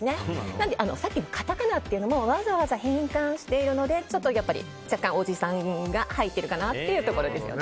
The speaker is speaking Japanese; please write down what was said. なのでさっきのカタカナというのもわざわざ変換しているのでちょっと、おじさんが入っているかなというところです。